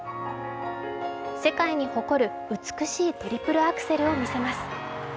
世界に誇る美しいトリプルアクセルを見せます。